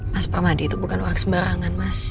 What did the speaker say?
mas permadi itu bukan orang sembarangan mas